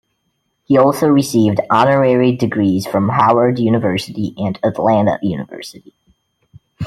He also received honorary degrees from Howard University and Atlanta University.